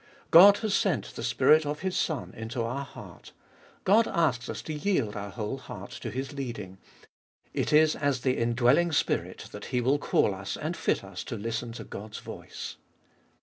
God has sent the Spirit of His Son into our heart; God asks us to yield our whole heart to His leading ; it is as the indwelling Spirit that He will call us and fit us to listen to God's voice.